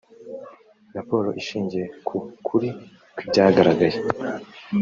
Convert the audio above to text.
raporo ishingiye ku kuri kw’ibyagaragaye